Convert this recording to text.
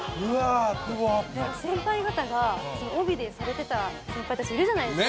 先輩方が帯でされていた先輩たちがいるじゃないですか。